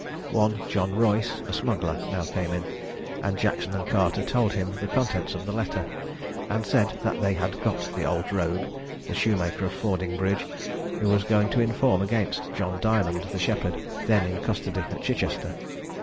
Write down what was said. One John Royce, a smuggler, now came in, and Jackson and Carter told him the contents of the letter, and said that they had got the old rogue, the shoemaker of Fording bridge, who was going to inform against John Diamond, the shepherd, then in custody at Chichester.